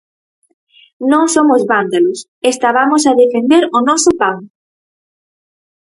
Non somos vándalos, estabamos a defender o noso pan.